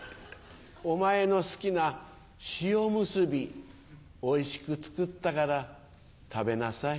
お前の好きな塩むすびおいしく作ったから食べなさい。